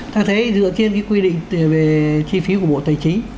thật thế dựa trên cái quy định về chi phí của bộ tài chính